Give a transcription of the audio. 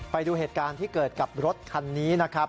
ไปดูเหตุการณ์ที่เกิดกับรถคันนี้นะครับ